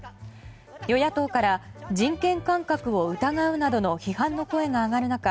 与野党から人権感覚を疑うなどの批判の声が上がる中